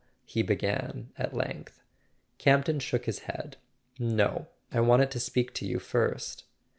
he began at length. Campton shook his head. "No; I wanted to speak to you first."